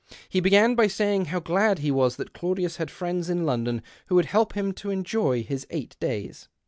He began by saying how glad he was that Claudius had friends in London who w^ould help him to enjoy his eight days.